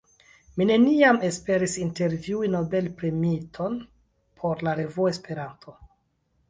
Mi neniam esperis intervjui Nobel-premiiton por la revuo Esperanto!